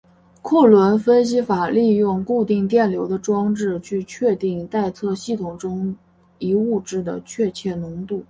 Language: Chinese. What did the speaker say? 库伦分析法利用固定电流的装置去确定待测系统中一物质的确切浓度。